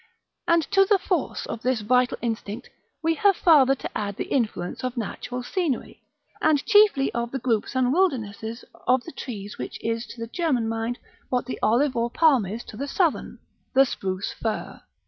§ VIII. And to the force of this vital instinct we have farther to add the influence of natural scenery; and chiefly of the groups and wildernesses of the tree which is to the German mind what the olive or palm is to the southern, the spruce fir.